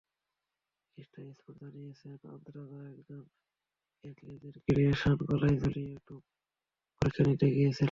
Sky Sports জানিয়েছে, আনজ্রা একজন অ্যাথলেটের অ্যাক্রেডিটেশন গলায় ঝুলিয়ে ডোপ পরীক্ষা দিতে গিয়েছিলেন।